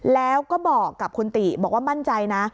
แล้วก็บอกกับคุณติบอกว่ามั่นใจนะ